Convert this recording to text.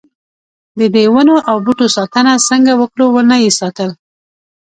ددې ونو او بوټو ساتنه څنګه وکړو ونه یې ساتل.